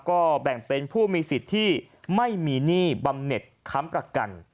ก็แบ่งเป็นผู้มีสิทธิ์ที่ไม่มีหนี้บำเน็ตค้ำประกัน